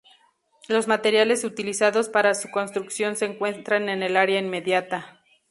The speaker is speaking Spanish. Los materiales utilizados para su construcción se encuentran en el área inmediata.